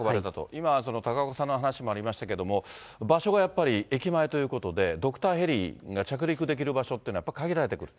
今、高岡さんの話もありましたけど、場所がやっぱり駅前ということで、ドクターヘリが着陸できる場所というのは限られてくる。